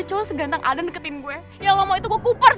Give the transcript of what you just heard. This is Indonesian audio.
jangan jangan anakmu unggul